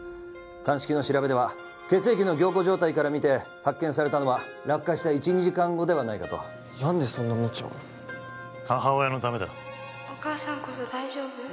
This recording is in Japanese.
鑑識の調べでは血液の凝固状態からみて発見されたのは落下した１２時間後ではないかと何でそんなムチャを母親のためだ☎お母さんこそ大丈夫？